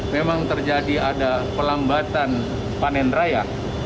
memang terjadi ada pelambatan panen raya